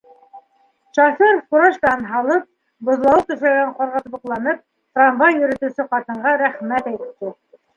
Шофер, фуражкаһын һалып, боҙлауыҡ түшәлгән ҡарға тубыҡланып, трамвай йөрөтөүсе ҡатынға рәхмәт әйтте.